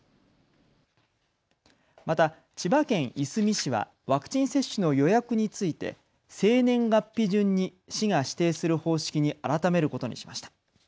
また千葉県いすみ市はワクチン接種の予約について生年月日順に市が指定する方式に改めることにしました。